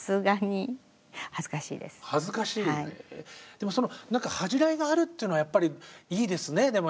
でも何か恥じらいがあるっていうのはやっぱりいいですね。